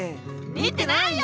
「見てないよ」